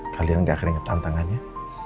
kalian gak keringetan tangannya